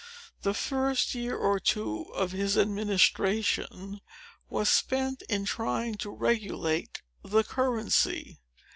The first year or two of his administration was spent in trying to regulate the currency.